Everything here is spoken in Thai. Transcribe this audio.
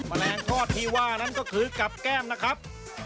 แมลงทอดที่ว่านั้นก็คือกับแก้มนะครับ